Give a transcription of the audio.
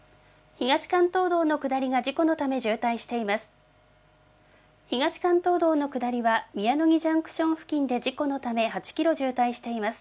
東関東道の下りが事故のため渋滞しています。